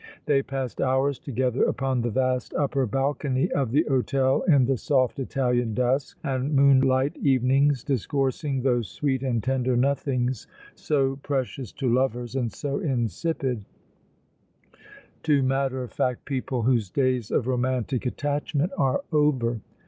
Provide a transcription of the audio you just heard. They passed hours together upon the vast upper balcony of the hôtel in the soft Italian dusk and moonlight evenings, discoursing those sweet and tender nothings so precious to lovers and so insipid to matter of fact people whose days of romantic attachment are over.